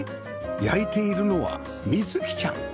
焼いているのは実月ちゃん